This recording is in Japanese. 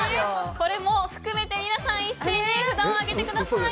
これも含めて皆さん一斉に札を上げてください。